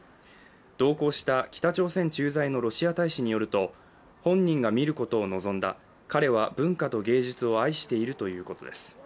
同行した北朝鮮駐在のロシア大使によると本人が見ることを望んだ、彼は文化と芸術を愛しているということです。